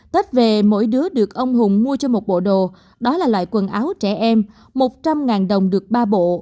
tết về mỗi đứa được ông hùng mua cho một bộ đồ đó là loại quần áo trẻ em một trăm linh đồng được ba bộ